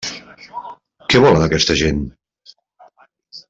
Què volen aquesta gent?